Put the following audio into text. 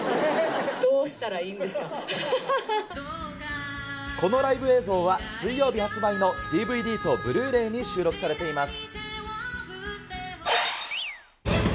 どうしたらいこのライブ映像は、水曜日発売のＤＶＤとブルーレイに収録されています。